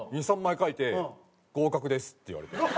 ２３枚描いて「合格です」って言われて。